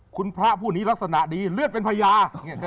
คุณพระผู้นี้ลักษณะดีเลือดเป็นพญา